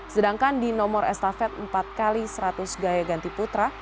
sedangkan di nomor estafet empat x seratus gaya ganti putra